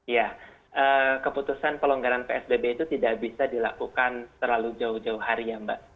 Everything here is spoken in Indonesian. ya keputusan pelonggaran psbb itu tidak bisa dilakukan terlalu jauh jauh hari ya mbak